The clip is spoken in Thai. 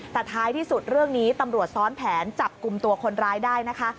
แต่ท้ายที่สุดเรื่องนี้ตำรวจซ้อนแผนจับกลุ่มตัวคนร้ายได้นะคะ